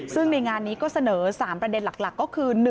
ซึ่งในงานนี้ก็เสนอ๓ประเด็นหลักก็คือ